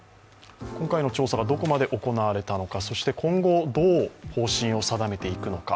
今回の調査がどこまで行われたのか、そして、今後どう方針を定めていくのか。